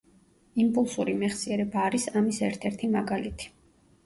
იმპულსური მეხსიერება არის ამის ერთ-ერთი მაგალითი.